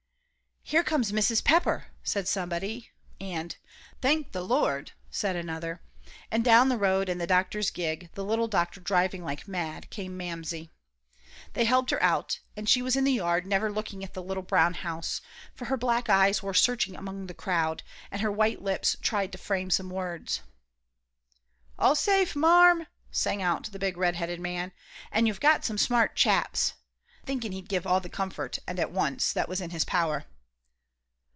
"Here comes Mrs. Pepper," said somebody, and, "Thank the Lord," said another, and down the road in the doctor's gig, the little doctor driving like mad, came Mamsie. They helped her out, and she was in the yard, never looking at the little brown house; for her black eyes were searching among the crowd, and her white lips tried to frame some words. "All safe, Marm," sang out the big redheaded man; "and you've got some smart chaps," thinking he'd give all the comfort, and at once, that was in his power.